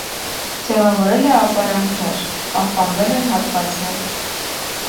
Ձևավորել է ապարանքներ (պահպանվել են հատվածներ)։